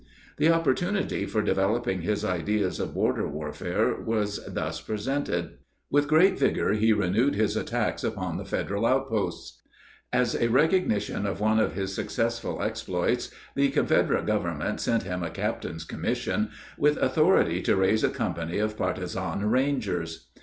The opportunity for developing his ideas of border warfare was thus presented. With great vigor he renewed his attacks upon the Federal outposts. As a recognition of one of his successful exploits, the Confederate government sent him a captain's commission with authority to raise a company of partizan rangers.